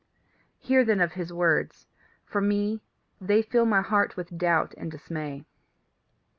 Hear then of his words. For me, they fill my heart with doubt and dismay.